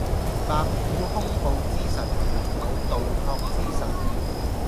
白虎兇暴之神，玄武盜拓之神